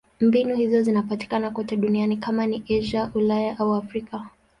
Mbinu hizo zinapatikana kote duniani: kama ni Asia, Ulaya au Afrika.